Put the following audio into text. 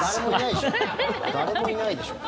誰もいないでしょう。